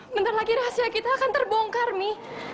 bentar lagi rahasia kita akan terbongkar nih